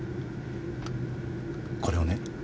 これをね